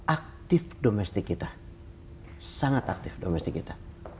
aktif domestik kita sangat aktif domestik kita